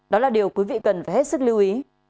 đó là điều quý vị cần phải hết sức lưu ý